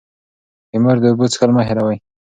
د مور د اوبو څښل مه هېروئ.